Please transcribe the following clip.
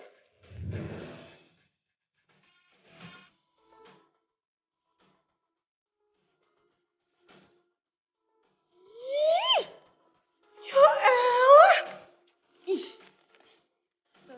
dari pasangan lain